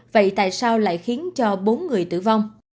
vậy tại sao lại khiến cho bốn người tử vong